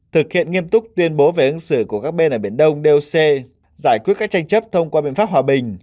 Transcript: thực hiện nghiêm túc tuyên bố về ứng xử của các bên ở biển đông doc giải quyết các tranh chấp thông qua biện pháp hòa bình